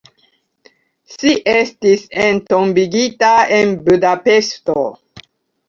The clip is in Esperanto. Ŝi estis entombigita en Budapeŝto.